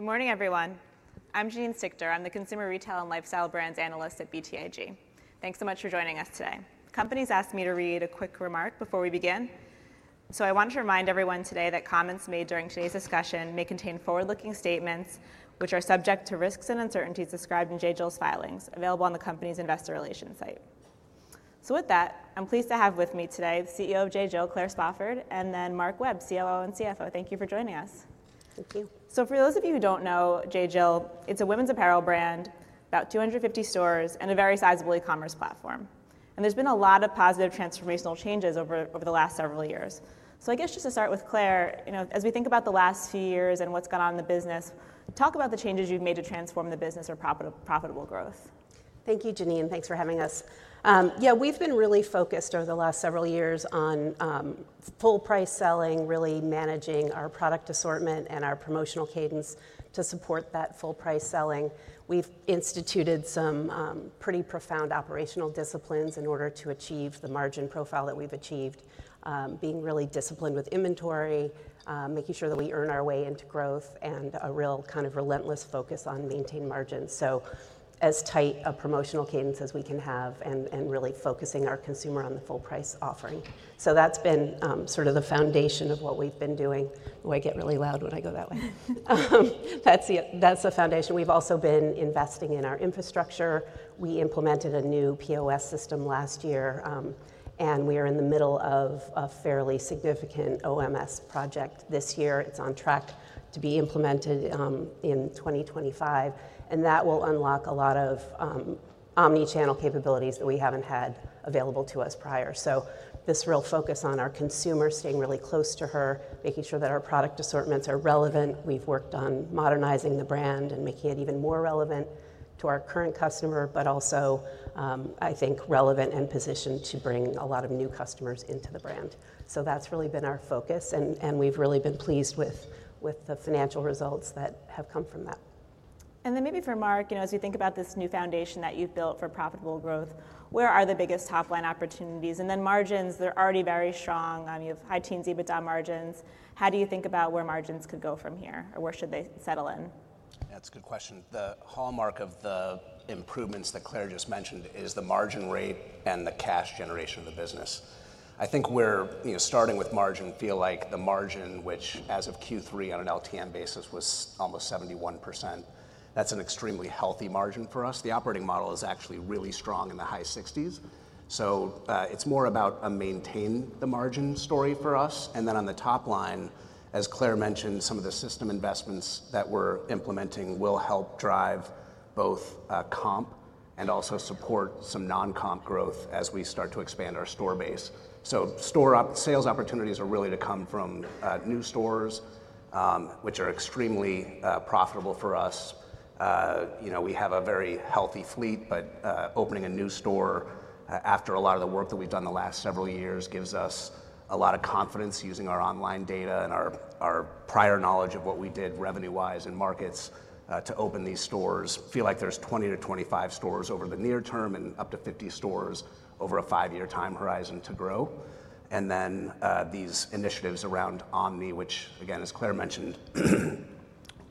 Good morning, everyone. I'm Janine Stichter. I'm the Consumer Retail and Lifestyle Brands Analyst at BTIG. Thanks so much for joining us today. Company has asked me to read a quick remark before we begin. So I want to remind everyone today that comments made during today's discussion may contain forward-looking statements which are subject to risks and uncertainties described in J.Jill's filings, available on the company's investor relations site. So with that, I'm pleased to have with me today the CEO of J.Jill, Claire Spofford, and then Mark Webb, COO and CFO. Thank you for joining us. Thank you. So for those of you who don't know J.Jill, it's a women's apparel brand, about 250 stores, and a very sizable e-commerce platform. And there's been a lot of positive transformational changes over the last several years. So I guess just to start with Claire, as we think about the last few years and what's gone on in the business, talk about the changes you've made to transform the business for profitable growth. Thank you, Janine, and thanks for having us. Yeah, we've been really focused over the last several years on full-price selling, really managing our product assortment and our promotional cadence to support that full-price selling. We've instituted some pretty profound operational disciplines in order to achieve the margin profile that we've achieved, being really disciplined with inventory, making sure that we earn our way into growth, and a real kind of relentless focus on maintaining margins, so as tight a promotional cadence as we can have, and really focusing our consumer on the full-price offering. So that's been sort of the foundation of what we've been doing. Oh, I get really loud when I go that way. That's the foundation. We've also been investing in our infrastructure. We implemented a new POS system last year, and we are in the middle of a fairly significant OMS project this year. It's on track to be implemented in 2025, and that will unlock a lot of omnichannel capabilities that we haven't had available to us prior, so this real focus on our consumer staying really close to her, making sure that our product assortments are relevant. We've worked on modernizing the brand and making it even more relevant to our current customer, but also, I think, relevant and positioned to bring a lot of new customers into the brand, so that's really been our focus, and we've really been pleased with the financial results that have come from that. And then maybe for Mark, as we think about this new foundation that you've built for profitable growth, where are the biggest top-line opportunities? And then margins, they're already very strong. You have high teens EBITDA margins. How do you think about where margins could go from here, or where should they settle in? That's a good question. The hallmark of the improvements that Claire just mentioned is the margin rate and the cash generation of the business. I think we're starting with margin. We feel like the margin, which as of Q3 on an LTM basis was almost 71%. That's an extremely healthy margin for us. The operating model is actually really strong in the high 60s. So it's more about maintaining the margin story for us. And then on the top line, as Claire mentioned, some of the system investments that we're implementing will help drive both comp and also support some non-comp growth as we start to expand our store base. So store sales opportunities are really to come from new stores, which are extremely profitable for us. We have a very healthy fleet, but opening a new store after a lot of the work that we've done the last several years gives us a lot of confidence using our online data and our prior knowledge of what we did revenue-wise and markets to open these stores. Feel like there's 20-25 stores over the near term and up to 50 stores over a five-year time horizon to grow, and then these initiatives around omni, which again, as Claire mentioned,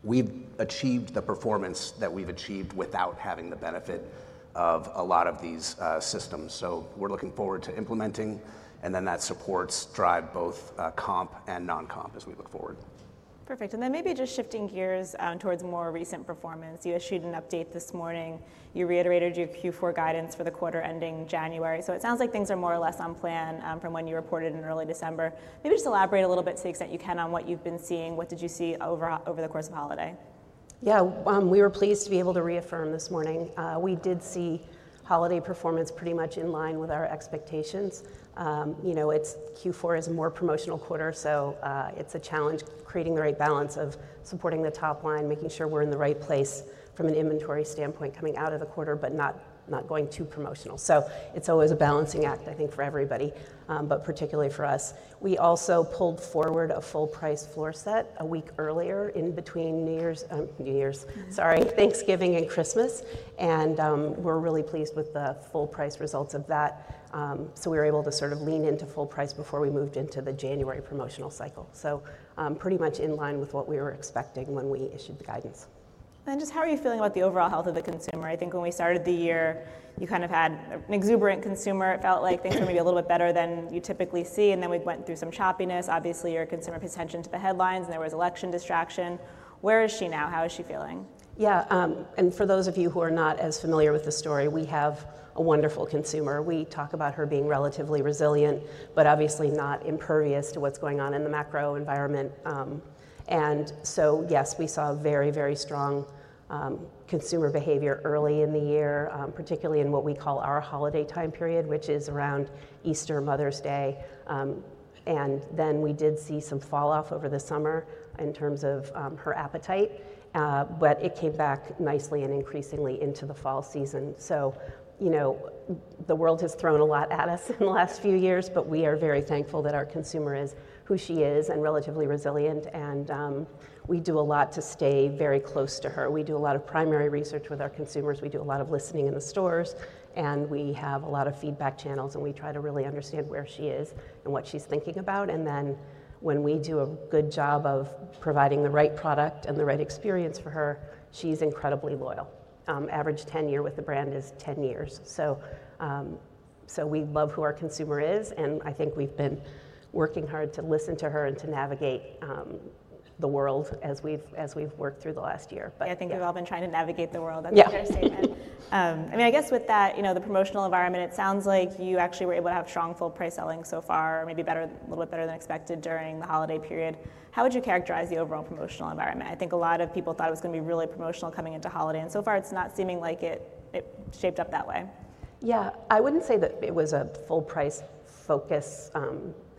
we've achieved the performance that we've achieved without having the benefit of a lot of these systems, so we're looking forward to implementing, and then that supports drive both comp and non-comp as we look forward. Perfect. And then maybe just shifting gears towards more recent performance. You issued an update this morning. You reiterated your Q4 guidance for the quarter ending January. So it sounds like things are more or less on plan from when you reported in early December. Maybe just elaborate a little bit to the extent you can on what you've been seeing. What did you see over the course of holiday? Yeah, we were pleased to be able to reaffirm this morning. We did see holiday performance pretty much in line with our expectations. It's Q4 is a more promotional quarter, so it's a challenge creating the right balance of supporting the top line, making sure we're in the right place from an inventory standpoint coming out of the quarter, but not going too promotional. So it's always a balancing act, I think, for everybody, but particularly for us. We also pulled forward a full-price floor set a week earlier in between New Year's, sorry, Thanksgiving and Christmas. And we're really pleased with the full-price results of that. So we were able to sort of lean into full-price before we moved into the January promotional cycle. So pretty much in line with what we were expecting when we issued the guidance. Just how are you feeling about the overall health of the consumer? I think when we started the year, you kind of had an exuberant consumer. It felt like things were maybe a little bit better than you typically see. Then we went through some choppiness. Obviously, your consumer paid attention to the headlines, and there was election distraction. Where is she now? How is she feeling? Yeah, and for those of you who are not as familiar with the story, we have a wonderful consumer. We talk about her being relatively resilient, but obviously not impervious to what's going on in the macro environment. And so yes, we saw very, very strong consumer behavior early in the year, particularly in what we call our holiday time period, which is around Easter, Mother's Day. And then we did see some falloff over the summer in terms of her appetite, but it came back nicely and increasingly into the fall season. So the world has thrown a lot at us in the last few years, but we are very thankful that our consumer is who she is and relatively resilient. And we do a lot to stay very close to her. We do a lot of primary research with our consumers. We do a lot of listening in the stores, and we have a lot of feedback channels, and we try to really understand where she is and what she's thinking about, and then when we do a good job of providing the right product and the right experience for her, she's incredibly loyal. Average 10-year with the brand is 10 years, so we love who our consumer is, and I think we've been working hard to listen to her and to navigate the world as we've worked through the last year. I think we've all been trying to navigate the world. That's a fair statement. I mean, I guess with that, the promotional environment, it sounds like you actually were able to have strong full-price selling so far, maybe a little bit better than expected during the holiday period. How would you characterize the overall promotional environment? I think a lot of people thought it was going to be really promotional coming into holiday. And so far, it's not seeming like it shaped up that way. Yeah, I wouldn't say that it was a full-price focus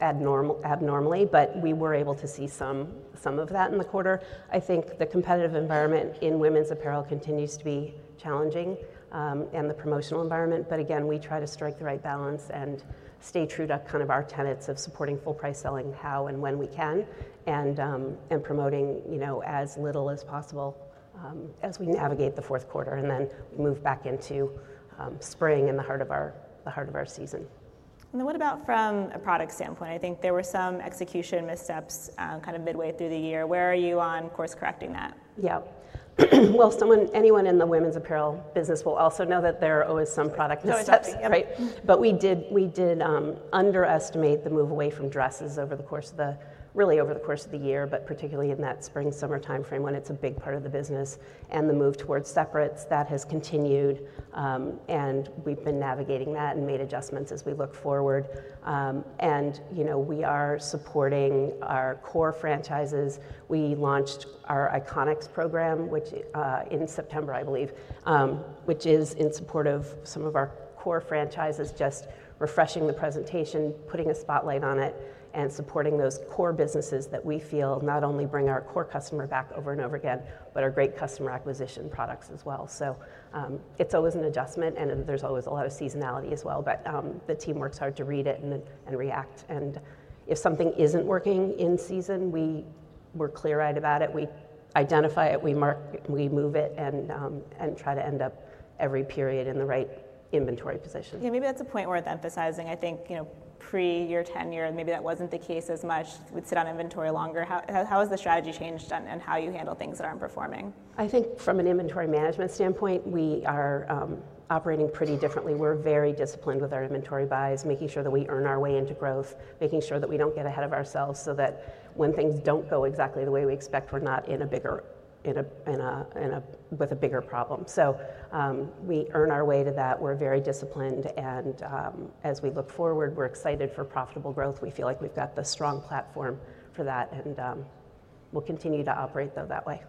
abnormally, but we were able to see some of that in the quarter. I think the competitive environment in women's apparel continues to be challenging and the promotional environment. But again, we try to strike the right balance and stay true to kind of our tenets of supporting full-price selling how and when we can and promoting as little as possible as we navigate the fourth quarter and then move back into spring in the heart of our season. And then what about from a product standpoint? I think there were some execution missteps kind of midway through the year. Where are you on course correcting that? Yeah. Well, anyone in the women's apparel business will also know that there are always some product missteps, right? But we did underestimate the move away from dresses over the course of the, really over the course of the year, but particularly in that spring-summer time frame when it's a big part of the business and the move towards separates that has continued. And we've been navigating that and made adjustments as we look forward. And we are supporting our core franchises. We launched our Iconics program in September, I believe, which is in support of some of our core franchises, just refreshing the presentation, putting a spotlight on it, and supporting those core businesses that we feel not only bring our core customer back over and over again, but are great customer acquisition products as well. So it's always an adjustment, and there's always a lot of seasonality as well. But the team works hard to read it and react. And if something isn't working in season, we're clear-eyed about it. We identify it, we move it, and try to end up every period in the right inventory position. Yeah, maybe that's a point worth emphasizing. I think pre your tenure, maybe that wasn't the case as much. We'd sit on inventory longer. How has the strategy changed and how do you handle things that aren't performing? I think from an inventory management standpoint, we are operating pretty differently. We're very disciplined with our inventory buys, making sure that we earn our way into growth, making sure that we don't get ahead of ourselves so that when things don't go exactly the way we expect, we're not with a bigger problem, so we earn our way to that. We're very disciplined and as we look forward, we're excited for profitable growth. We feel like we've got the strong platform for that, and we'll continue to operate through that way.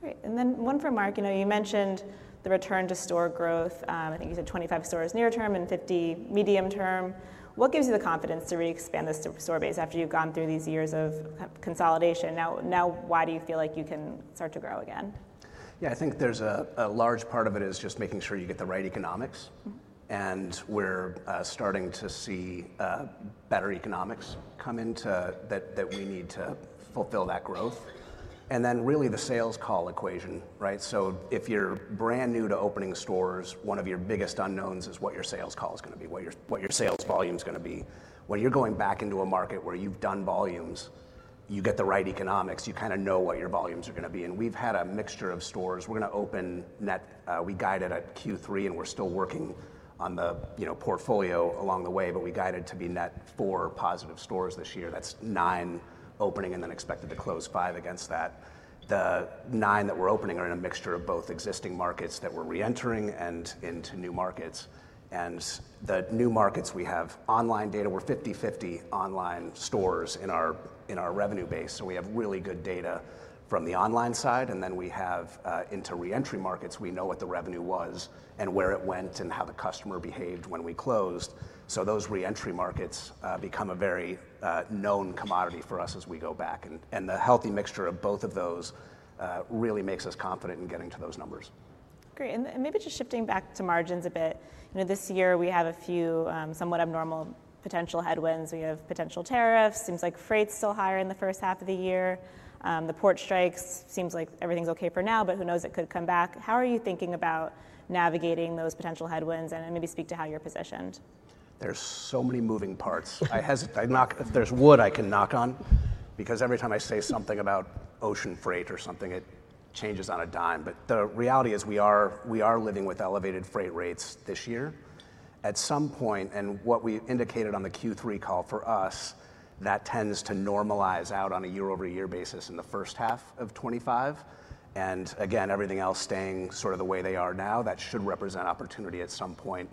Great. And then one for Mark. You mentioned the return to store growth. I think you said 25 stores near term and 50 medium term. What gives you the confidence to re-expand this store base after you've gone through these years of consolidation? Now, why do you feel like you can start to grow again? Yeah, I think a large part of it is just making sure you get the right economics. And we're starting to see better economics come into that we need to fulfill that growth. And then really the sales call equation, right? So if you're brand new to opening stores, one of your biggest unknowns is what your sales call is going to be, what your sales volume is going to be. When you're going back into a market where you've done volumes, you get the right economics. You kind of know what your volumes are going to be. And we've had a mixture of stores. We're going to open net, we guided at Q3, and we're still working on the portfolio along the way, but we guided to be net four positive stores this year. That's nine opening and then expected to close five against that. The nine that we're opening are in a mixture of both existing markets that we're reentering and into new markets, and the new markets, we have online data. We're 50-50 online stores in our revenue base, so we have really good data from the online side, and then we have into reentry markets. We know what the revenue was and where it went and how the customer behaved when we closed. So those reentry markets become a very known commodity for us as we go back, and the healthy mixture of both of those really makes us confident in getting to those numbers. Great. And maybe just shifting back to margins a bit. This year, we have a few somewhat abnormal potential headwinds. We have potential tariffs. Seems like freight's still higher in the first half of the year. The port strikes seems like everything's okay for now, but who knows? It could come back. How are you thinking about navigating those potential headwinds? And maybe speak to how you're positioned. There's so many moving parts. If there's wood, I can knock on because every time I say something about ocean freight or something, it changes on a dime. But the reality is we are living with elevated freight rates this year. At some point, and what we indicated on the Q3 call for us, that tends to normalize out on a year-over-year basis in the first half of 2025. And again, everything else staying sort of the way they are now, that should represent opportunity at some point,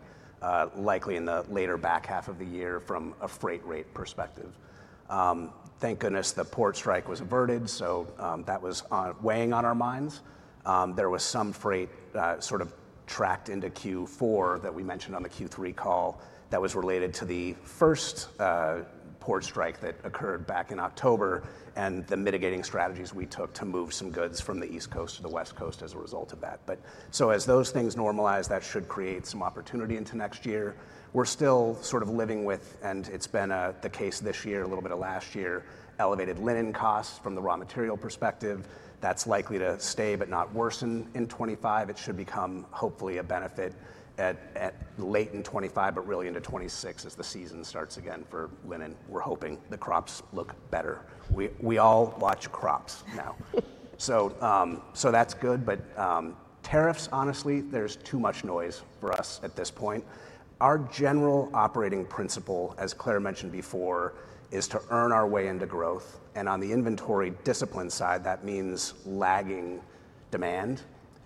likely in the later back half of the year from a freight rate perspective. Thank goodness the port strike was averted, so that was weighing on our minds. There was some freight sort of tracked into Q4 that we mentioned on the Q3 call that was related to the first port strike that occurred back in October and the mitigating strategies we took to move some goods from the East Coast to the West Coast as a result of that, but so as those things normalize, that should create some opportunity into next year. We're still sort of living with, and it's been the case this year, a little bit of last year, elevated linen costs from the raw material perspective. That's likely to stay but not worsen in 2025. It should become hopefully a benefit late in 2025, but really into 2026 as the season starts again for linen. We're hoping the crops look better. We all watch crops now. So that's good, but tariffs, honestly, there's too much noise for us at this point. Our general operating principle, as Claire mentioned before, is to earn our way into growth. And on the inventory discipline side, that means lagging demand.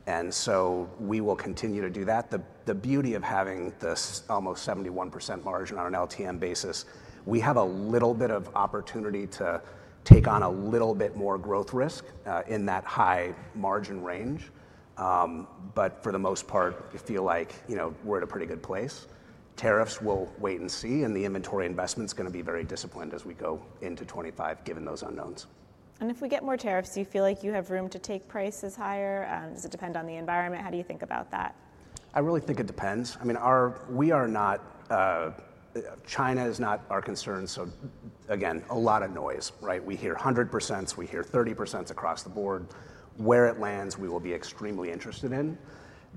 And so we will continue to do that. The beauty of having this almost 71% margin on an LTM basis, we have a little bit of opportunity to take on a little bit more growth risk in that high margin range. But for the most part, I feel like we're at a pretty good place. Tariffs, we'll wait and see. And the inventory investment's going to be very disciplined as we go into 2025, given those unknowns. If we get more tariffs, do you feel like you have room to take prices higher? Does it depend on the environment? How do you think about that? I really think it depends. I mean, China is not our concern. So again, a lot of noise, right? We hear 100%. We hear 30% across the board. Where it lands, we will be extremely interested in.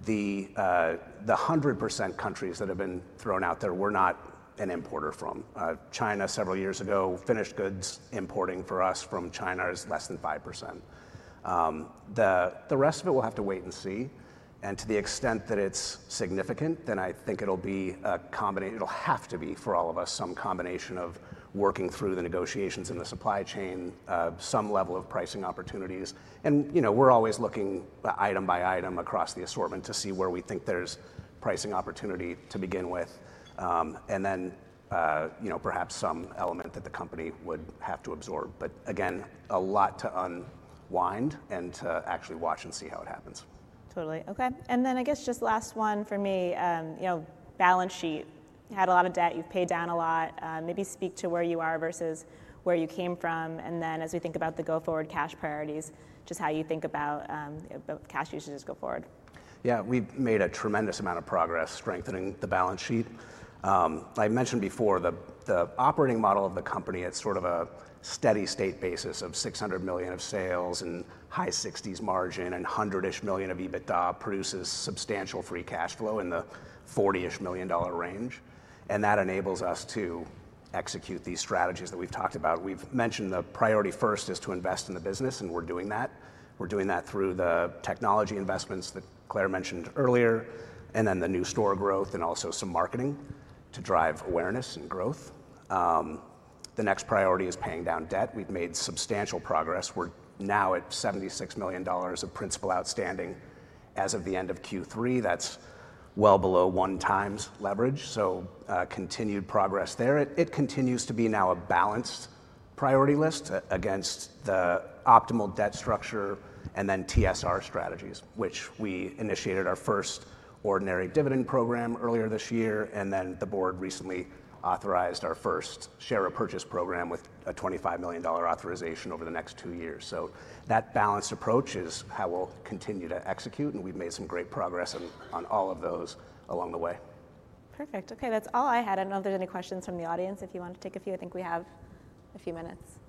The 100% countries that have been thrown out there, we're not an importer from China. Several years ago, finished goods importing for us from China is less than 5%. The rest of it, we'll have to wait and see and to the extent that it's significant, then I think it'll be a combination. It'll have to be for all of us some combination of working through the negotiations in the supply chain, some level of pricing opportunities, and we're always looking item by item across the assortment to see where we think there's pricing opportunity to begin with and then perhaps some element that the company would have to absorb. But again, a lot to unwind and to actually watch and see how it happens. Totally. Okay. And then I guess just last one for me, balance sheet. You had a lot of debt. You've paid down a lot. Maybe speak to where you are versus where you came from. And then as we think about the go forward cash priorities, just how you think about cash usages go forward. Yeah, we've made a tremendous amount of progress strengthening the balance sheet. I mentioned before the operating model of the company. It's sort of a steady-state basis of $600 million of sales and high 60s% margin and $100-ish million of EBITDA, which produces substantial free cash flow in the $40-ish million range. That enables us to execute these strategies that we've talked about. We've mentioned the priority first is to invest in the business, and we're doing that. We're doing that through the technology investments that Claire mentioned earlier, and then the new store growth and also some marketing to drive awareness and growth. The next priority is paying down debt. We've made substantial progress. We're now at $76 million of principal outstanding as of the end of Q3. That's well below one times leverage, so continued progress there. It continues to be now a balanced priority list against the optimal debt structure and then TSR strategies, which we initiated our first ordinary dividend program earlier this year. And then the board recently authorized our first share repurchase program with a $25 million authorization over the next two years. So that balanced approach is how we'll continue to execute. And we've made some great progress on all of those along the way. Perfect. Okay, that's all I had. I don't know if there's any questions from the audience. If you want to take a few, I think we have a few minutes.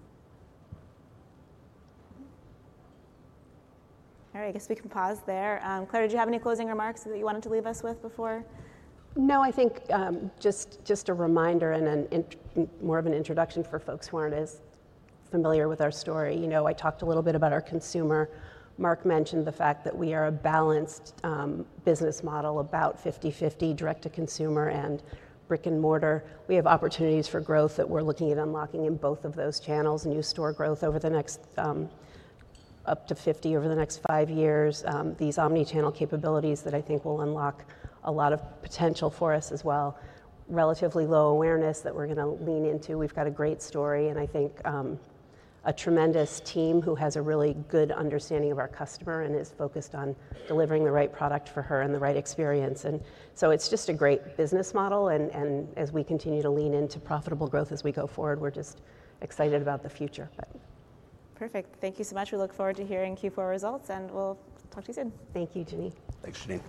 All right, I guess we can pause there. Claire, did you have any closing remarks that you wanted to leave us with before? No, I think just a reminder and more of an introduction for folks who aren't as familiar with our story. I talked a little bit about our consumer. Mark mentioned the fact that we are a balanced business model, about 50-50 direct-to-consumer and brick and mortar. We have opportunities for growth that we're looking at unlocking in both of those channels, new store growth over the next up to 50 over the next five years, these omnichannel capabilities that I think will unlock a lot of potential for us as well. Relatively low awareness that we're going to lean into. We've got a great story. And I think a tremendous team who has a really good understanding of our customer and is focused on delivering the right product for her and the right experience. And so it's just a great business model. As we continue to lean into profitable growth as we go forward, we're just excited about the future. Perfect. Thank you so much. We look forward to hearing Q4 results, and we'll talk to you soon. Thank you, Janine. Thanks, Jenny.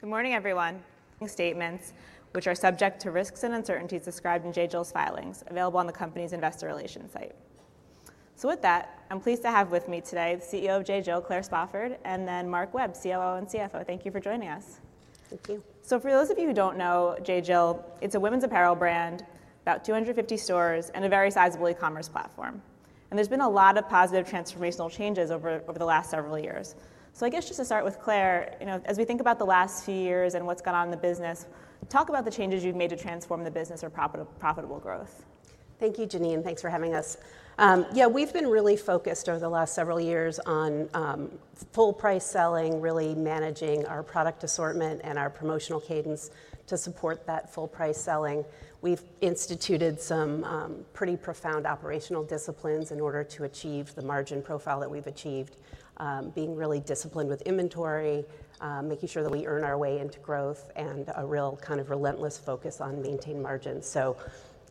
Good morning, everyone. Statements, which are subject to risks and uncertainties described in J.Jill's filings, available on the company's investor relations site. So with that, I'm pleased to have with me today the CEO of J.Jill, Claire Spofford, and then Mark Webb, COO and CFO. Thank you for joining us. Thank you. So for those of you who don't know J.Jill, it's a women's apparel brand, about 250 stores, and a very sizable e-commerce platform. And there's been a lot of positive transformational changes over the last several years. So I guess just to start with Claire, as we think about the last few years and what's gone on in the business, talk about the changes you've made to transform the business or profitable growth. Thank you, Janine, and thanks for having us. Yeah, we've been really focused over the last several years on full price selling, really managing our product assortment and our promotional cadence to support that full price selling. We've instituted some pretty profound operational disciplines in order to achieve the margin profile that we've achieved, being really disciplined with inventory, making sure that we earn our way into growth, and a real kind of relentless focus on maintaining margins, so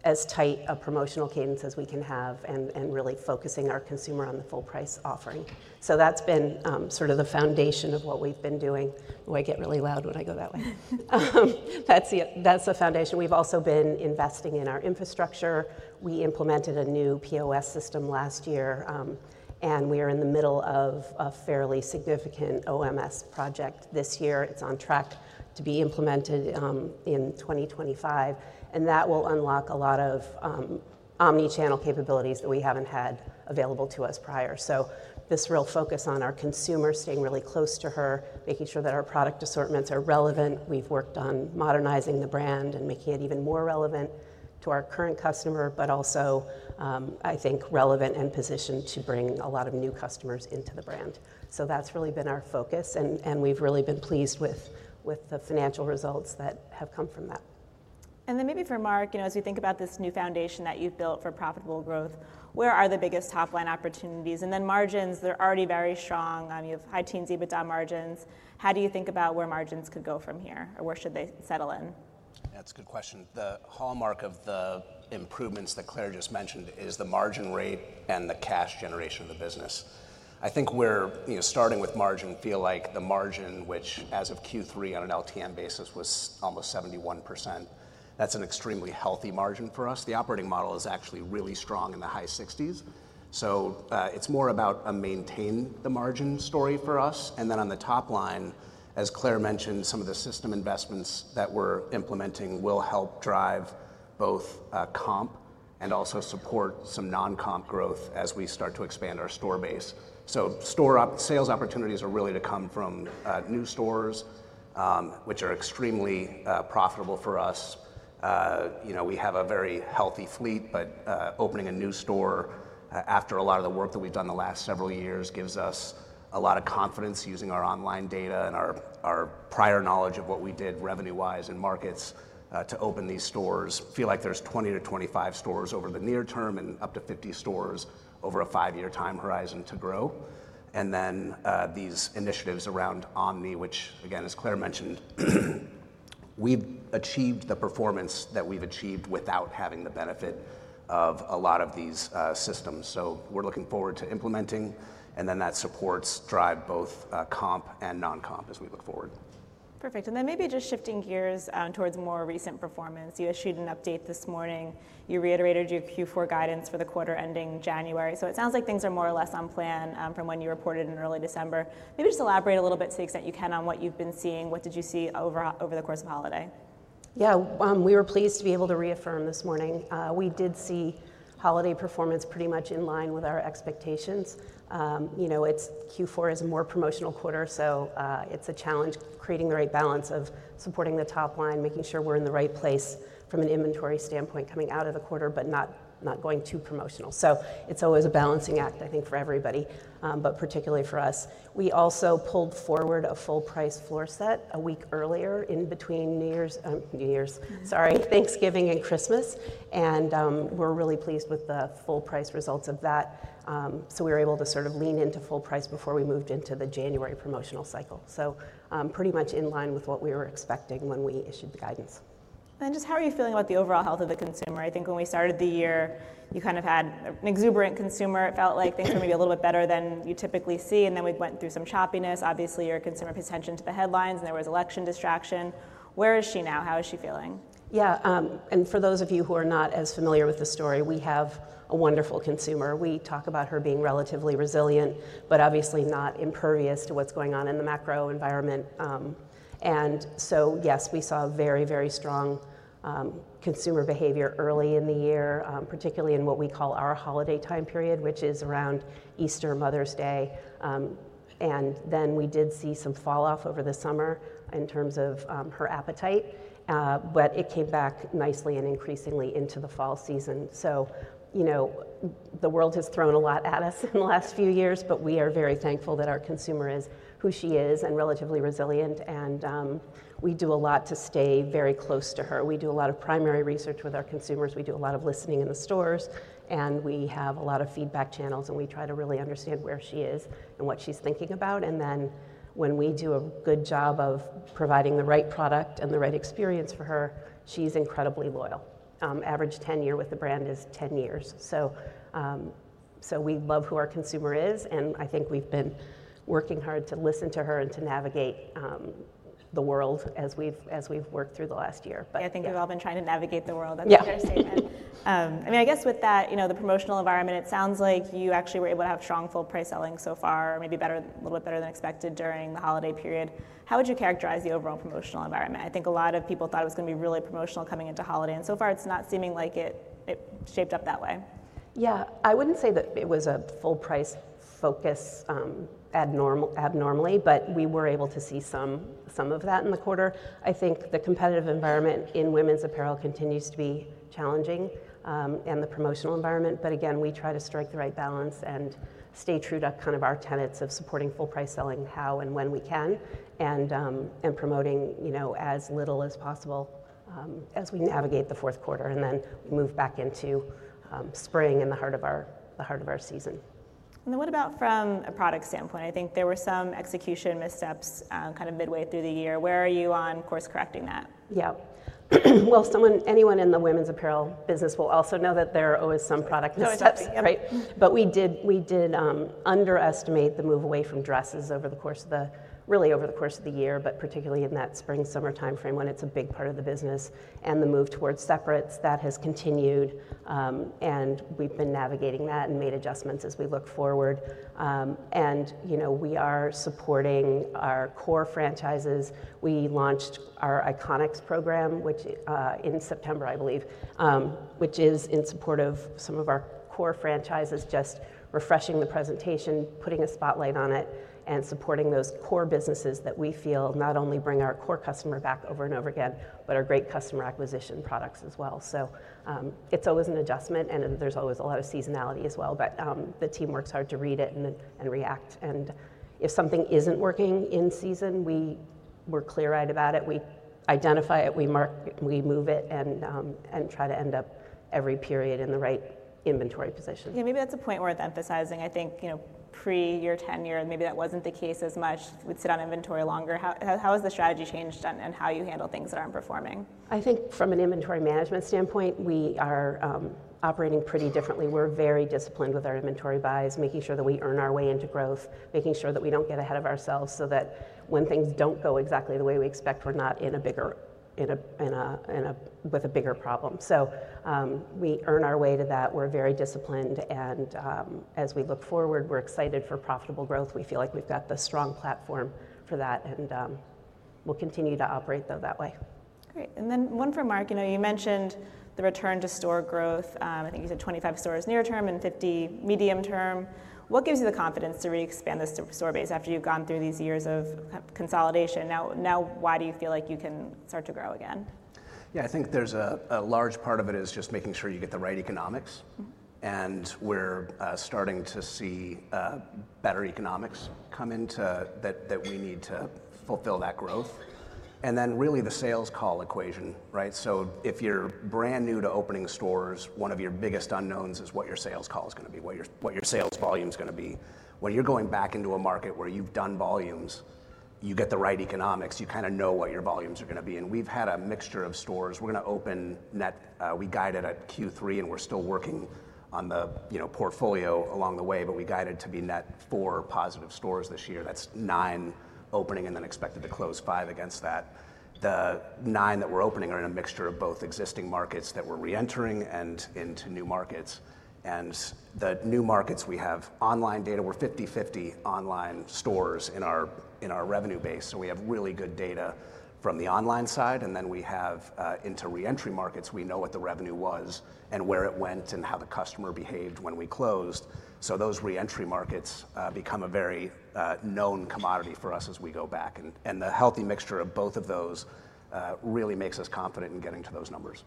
as tight a promotional cadence as we can have and really focusing our consumer on the full price offering. So that's been sort of the foundation of what we've been doing. Oh, I get really loud when I go that way. That's the foundation. We've also been investing in our infrastructure. We implemented a new POS system last year, and we are in the middle of a fairly significant OMS project this year. It's on track to be implemented in 2025, and that will unlock a lot of omnichannel capabilities that we haven't had available to us prior, so this real focus on our consumer staying really close to her, making sure that our product assortments are relevant. We've worked on modernizing the brand and making it even more relevant to our current customer, but also, I think, relevant and positioned to bring a lot of new customers into the brand, so that's really been our focus, and we've really been pleased with the financial results that have come from that. And then maybe for Mark, as we think about this new foundation that you've built for profitable growth, where are the biggest top line opportunities? And then margins, they're already very strong. You have high-teens EBITDA margins. How do you think about where margins could go from here, or where should they settle in? That's a good question. The hallmark of the improvements that Claire just mentioned is the margin rate and the cash generation of the business. I think we're starting with margin feel like the margin, which as of Q3 on an LTM basis was almost 71%. That's an extremely healthy margin for us. The operating model is actually really strong in the high 60s. So it's more about a maintain the margin story for us. And then on the top line, as Claire mentioned, some of the system investments that we're implementing will help drive both comp and also support some non-comp growth as we start to expand our store base. So sales opportunities are really to come from new stores, which are extremely profitable for us. We have a very healthy fleet, but opening a new store after a lot of the work that we've done the last several years gives us a lot of confidence using our online data and our prior knowledge of what we did revenue-wise and markets to open these stores. Feel like there's 20 to 25 stores over the near term and up to 50 stores over a five-year time horizon to grow. These initiatives around Omni, which again, as Claire mentioned, we've achieved the performance that we've achieved without having the benefit of a lot of these systems. We're looking forward to implementing. That supports drive both comp and non-comp as we look forward. Perfect, and then maybe just shifting gears towards more recent performance. You issued an update this morning. You reiterated your Q4 guidance for the quarter ending January, so it sounds like things are more or less on plan from when you reported in early December. Maybe just elaborate a little bit to the extent you can on what you've been seeing. What did you see over the course of holiday? Yeah, we were pleased to be able to reaffirm this morning. We did see holiday performance pretty much in line with our expectations. It's Q4. It's a more promotional quarter, so it's a challenge creating the right balance of supporting the top line, making sure we're in the right place from an inventory standpoint coming out of the quarter, but not going too promotional. So it's always a balancing act, I think, for everybody, but particularly for us. We also pulled forward a full price floor set a week earlier in between New Year's, sorry, Thanksgiving and Christmas, and we're really pleased with the full price results of that. So we were able to sort of lean into full price before we moved into the January promotional cycle, so pretty much in line with what we were expecting when we issued the guidance. Just how are you feeling about the overall health of the consumer? I think when we started the year, you kind of had an exuberant consumer. It felt like things were maybe a little bit better than you typically see. And then we went through some choppiness. Obviously, your consumer paid attention to the headlines, and there was election distraction. Where is she now? How is she feeling? Yeah, and for those of you who are not as familiar with the story, we have a wonderful consumer. We talk about her being relatively resilient, but obviously not impervious to what's going on in the macro environment. And so yes, we saw very, very strong consumer behavior early in the year, particularly in what we call our holiday time period, which is around Easter, Mother's Day. And then we did see some falloff over the summer in terms of her appetite, but it came back nicely and increasingly into the fall season. So the world has thrown a lot at us in the last few years, but we are very thankful that our consumer is who she is and relatively resilient. And we do a lot to stay very close to her. We do a lot of primary research with our consumers. We do a lot of listening in the stores, and we have a lot of feedback channels, and we try to really understand where she is and what she's thinking about, and then when we do a good job of providing the right product and the right experience for her, she's incredibly loyal. Average 10-year with the brand is 10 years, so we love who our consumer is, and I think we've been working hard to listen to her and to navigate the world as we've worked through the last year. I think we've all been trying to navigate the world. That's a fair statement. I mean, I guess with that, the promotional environment, it sounds like you actually were able to have strong full price selling so far, maybe a little bit better than expected during the holiday period. How would you characterize the overall promotional environment? I think a lot of people thought it was going to be really promotional coming into holiday, and so far, it's not seeming like it shaped up that way. Yeah, I wouldn't say that it was a full price focus abnormally, but we were able to see some of that in the quarter. I think the competitive environment in women's apparel continues to be challenging and the promotional environment. But again, we try to strike the right balance and stay true to kind of our tenets of supporting full price selling how and when we can and promoting as little as possible as we navigate the fourth quarter and then move back into spring in the heart of our season. And then what about from a product standpoint? I think there were some execution missteps kind of midway through the year. Where are you on course correcting that? Yeah. Well, anyone in the women's apparel business will also know that there are always some product missteps, right? But we did underestimate the move away from dresses over the course of the year, but particularly in that spring-summer timeframe when it's a big part of the business and the move towards separates that has continued. And we've been navigating that and made adjustments as we look forward. And we are supporting our core franchises. We launched our Iconics program in September, I believe, which is in support of some of our core franchises, just refreshing the presentation, putting a spotlight on it, and supporting those core businesses that we feel not only bring our core customer back over and over again, but are great customer acquisition products as well. So it's always an adjustment, and there's always a lot of seasonality as well. But the team works hard to read it and react. And if something isn't working in season, we're clear-eyed about it. We identify it, we move it, and try to end up every period in the right inventory position. Yeah, maybe that's a point worth emphasizing. I think pre your tenure, maybe that wasn't the case as much. We'd sit on inventory longer. How has the strategy changed and how do you handle things that aren't performing? I think from an inventory management standpoint, we are operating pretty differently. We're very disciplined with our inventory buys, making sure that we earn our way into growth, making sure that we don't get ahead of ourselves so that when things don't go exactly the way we expect, we're not with a bigger problem, so we earn our way to that. We're very disciplined and as we look forward, we're excited for profitable growth. We feel like we've got the strong platform for that. And we'll continue to operate, though, that way. Great, and then one for Mark. You mentioned the return to store growth. I think you said 25 stores near term and 50 medium term. What gives you the confidence to re-expand this store base after you've gone through these years of consolidation? Now, why do you feel like you can start to grow again? Yeah, I think a large part of it is just making sure you get the right economics. And we're starting to see better economics come into that we need to fulfill that growth. And then really the sales call equation, right? So if you're brand new to opening stores, one of your biggest unknowns is what your sales call is going to be, what your sales volume is going to be. When you're going back into a market where you've done volumes, you get the right economics. You kind of know what your volumes are going to be. And we've had a mixture of stores. We're going to open net. We guided at Q3, and we're still working on the portfolio along the way, but we guided to be net four positive stores this year. That's nine opening and then expected to close five against that. The nine that we're opening are in a mixture of both existing markets that we're reentering and into new markets. And the new markets, we have online data. We're 50-50 online stores in our revenue base. So we have really good data from the online side. And then we have into reentry markets. We know what the revenue was and where it went and how the customer behaved when we closed. So those reentry markets become a very known commodity for us as we go back. And the healthy mixture of both of those really makes us confident in getting to those numbers.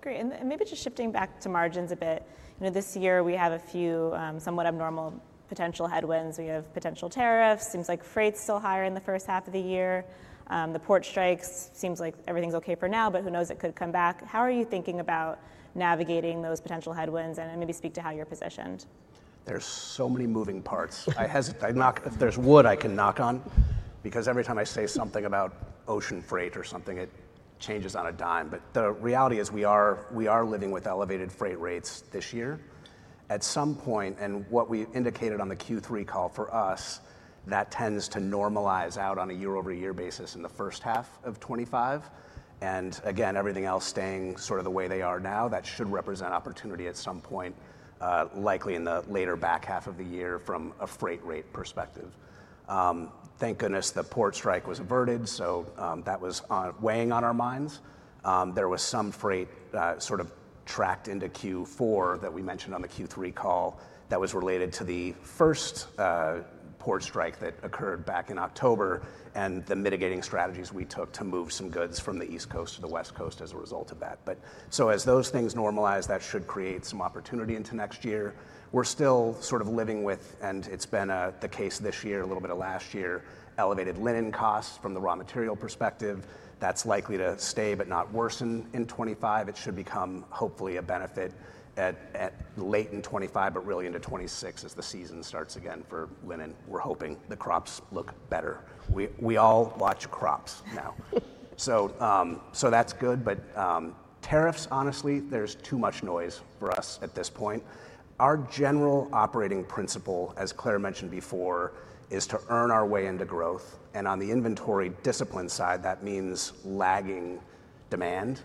Great. And maybe just shifting back to margins a bit. This year, we have a few somewhat abnormal potential headwinds. We have potential tariffs. Seems like freight's still higher in the first half of the year. The port strikes seems like everything's okay for now, but who knows? It could come back. How are you thinking about navigating those potential headwinds? And maybe speak to how you're positioned. There's so many moving parts. If there's wood, I can knock on because every time I say something about ocean freight or something, it changes on a dime. But the reality is we are living with elevated freight rates this year. At some point, and what we indicated on the Q3 call for us, that tends to normalize out on a year-over-year basis in the first half of 2025, and again, everything else staying sort of the way they are now, that should represent opportunity at some point, likely in the later back half of the year from a freight rate perspective. Thank goodness the port strike was averted, so that was weighing on our minds. There was some freight sort of tracked into Q4 that we mentioned on the Q3 call that was related to the first port strike that occurred back in October and the mitigating strategies we took to move some goods from the East Coast to the West Coast as a result of that. Those things normalize, and that should create some opportunity into next year. We're still sort of living with, and it's been the case this year, a little bit of last year, elevated linen costs from the raw material perspective. That's likely to stay but not worsen in 2025. It should become hopefully a benefit late in 2025, but really into 2026 as the season starts again for linen. We're hoping the crops look better. We all watch crops now. That's good. Tariffs, honestly, there's too much noise for us at this point. Our general operating principle, as Claire mentioned before, is to earn our way into growth. And on the inventory discipline side, that means lagging demand.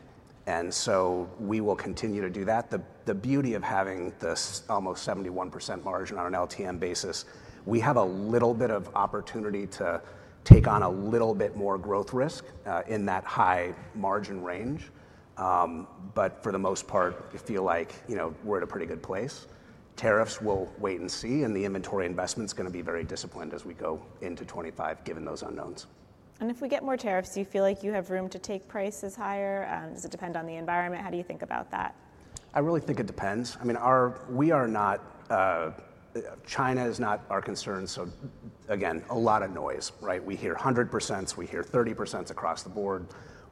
And so we will continue to do that. The beauty of having this almost 71% margin on an LTM basis, we have a little bit of opportunity to take on a little bit more growth risk in that high margin range. But for the most part, I feel like we're at a pretty good place. Tariffs, we'll wait and see. And the inventory investment's going to be very disciplined as we go into 2025, given those unknowns. If we get more tariffs, do you feel like you have room to take prices higher? Does it depend on the environment? How do you think about that? I really think it depends. I mean, China is not our concern. So again, a lot of noise, right? We hear 100%. We hear 30% across the board.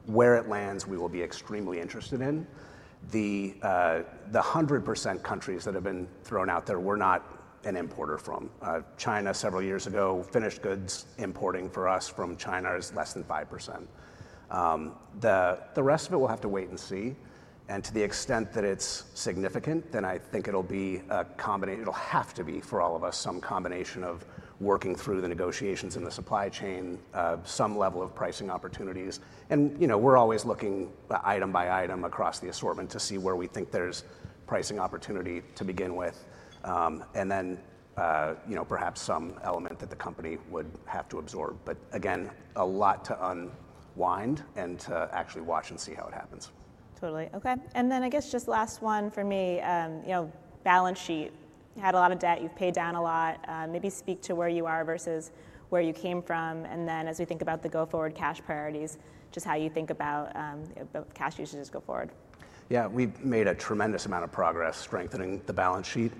Where it lands, we will be extremely interested in. The 100% countries that have been thrown out there, we're not an importer from. China, several years ago, finished goods importing for us from China is less than 5%. The rest of it, we'll have to wait and see. And to the extent that it's significant, then I think it'll be a combination. It'll have to be for all of us some combination of working through the negotiations in the supply chain, some level of pricing opportunities. And we're always looking item by item across the assortment to see where we think there's pricing opportunity to begin with. And then perhaps some element that the company would have to absorb. But again, a lot to unwind and to actually watch and see how it happens. Totally. Okay. And then I guess just last one for me, balance sheet. You had a lot of debt. You've paid down a lot. Maybe speak to where you are versus where you came from. And then as we think about the go-forward cash priorities, just how you think about cash usages go forward? Yeah, we've made a tremendous amount of progress strengthening the balance sheet.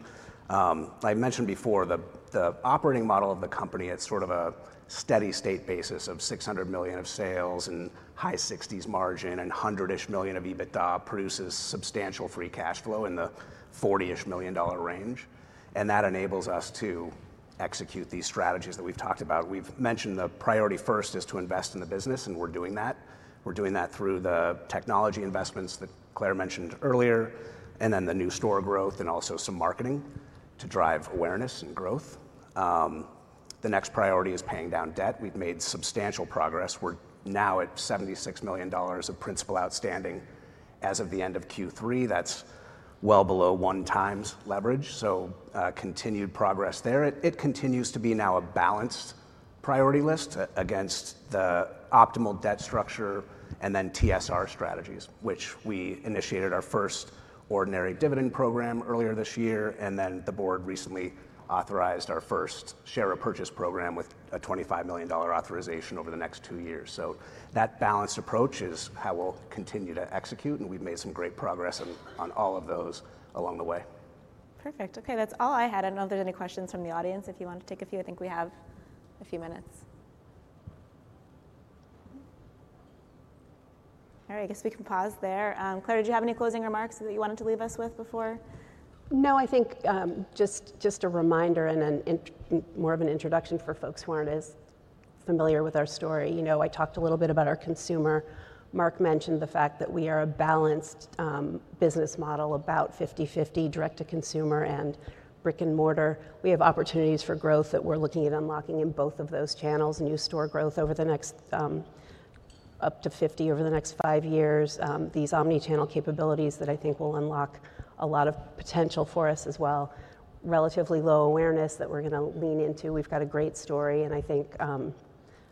I mentioned before the operating model of the company. It's sort of a steady-state basis of $600 million of sales and high-60s margin and $100-ish million of EBITDA produces substantial free cash flow in the $40-ish million range. And that enables us to execute these strategies that we've talked about. We've mentioned the priority first is to invest in the business, and we're doing that. We're doing that through the technology investments that Claire mentioned earlier, and then the new store growth, and also some marketing to drive awareness and growth. The next priority is paying down debt. We've made substantial progress. We're now at $76 million of principal outstanding as of the end of Q3. That's well below one-times leverage. So continued progress there. It continues to be now a balanced priority list against the optimal debt structure and then TSR strategies, which we initiated our first ordinary dividend program earlier this year, and then the board recently authorized our first share repurchase program with a $25 million authorization over the next two years, so that balanced approach is how we'll continue to execute, and we've made some great progress on all of those along the way. Perfect. Okay, that's all I had. I don't know if there's any questions from the audience. If you want to take a few, I think we have a few minutes. All right, I guess we can pause there. Claire, did you have any closing remarks that you wanted to leave us with before? No, I think just a reminder and more of an introduction for folks who aren't as familiar with our story. I talked a little bit about our consumer. Mark mentioned the fact that we are a balanced business model, about 50-50 direct-to-consumer and brick and mortar. We have opportunities for growth that we're looking at unlocking in both of those channels, new store growth up to 50 over the next five years, these omnichannel capabilities that I think will unlock a lot of potential for us as well. Relatively low awareness that we're going to lean into. We've got a great story, and I think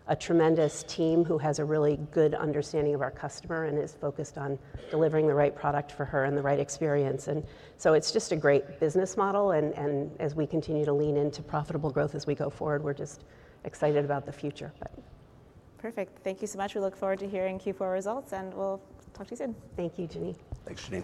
a tremendous team who has a really good understanding of our customer and is focused on delivering the right product for her and the right experience. And so it's just a great business model. As we continue to lean into profitable growth as we go forward, we're just excited about the future. Perfect. Thank you so much. We look forward to hearing Q4 results, and we'll talk to you soon. Thank you, Jimmy. Thanks, Jennie.